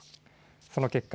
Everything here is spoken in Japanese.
その結果